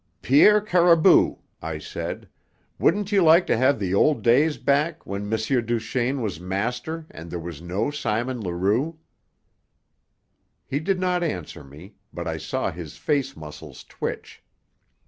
"Pierre Caribou," I said, "wouldn't you like to have the old days back when M. Duchaine was master and there was no Simon Leroux?" He did not answer me, but I saw his face muscles twitch.